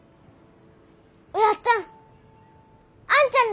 おやっつぁんあんちゃん